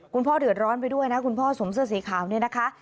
คุณพ่อเดือดร้อนไปด้วยนะคุณพ่อสวมเสื้อสีขาวนี่นะคะ